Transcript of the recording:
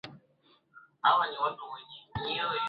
jamhuri ya kidemokrasia ya yatoa ushahidi